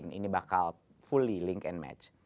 gak mungkin ini bakal fully link and match